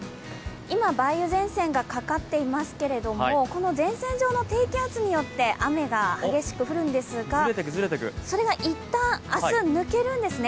今、梅雨前線がかかっていますけれども、この前線上の低気圧によって雨が激しく降るんですが、それがいったん明日、抜けるんですね。